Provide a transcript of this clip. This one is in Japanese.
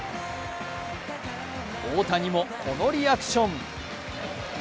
大谷もこのリアクション。